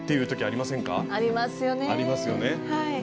ありますよね。